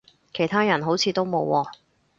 其他人好似都冇喎